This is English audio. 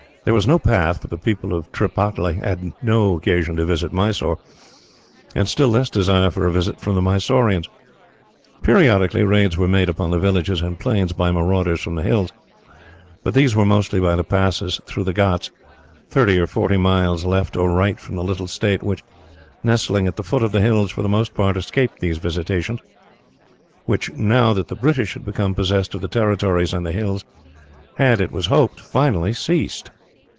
There was no path, for the people of Tripataly had no occasion to visit Mysore, and still less desire for a visit from the Mysoreans. Periodically, raids were made upon the villages and plains by marauders from the hills, but these were mostly by the passes through the ghauts, thirty or forty miles left or right from the little state which, nestling at the foot of the hills, for the most part escaped these visitations which, now that the British had become possessed of the territories and the hills, had, it was hoped, finally ceased.